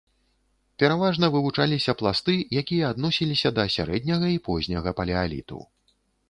Пераважна вывучаліся пласты, якія адносіліся да сярэдняга і позняга палеаліту.